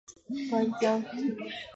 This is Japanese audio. こ ｄ じょ ｆ